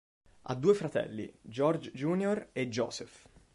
Ha due fratelli, George Jr. e Joseph.